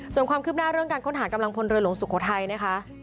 ส่วนความคืบหน้าเรื่องการค้นหากำลังพลเรือหลวงสุโขทัยนะคะ